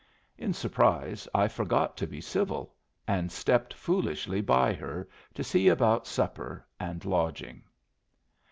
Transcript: In surprise I forgot to be civil, and stepped foolishly by her to see about supper and lodging.